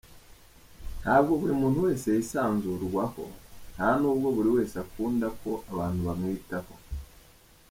Ntabwo buri muntu wese yisanzurwaho, nta nubwo buri wese akunda ko abantu bamwitaho.